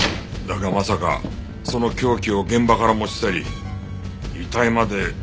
だがまさかその凶器を現場から持ち去り遺体まで動かすなんてな。